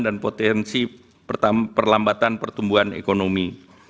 dan potensi perlambatan pertumbuhan ekonomi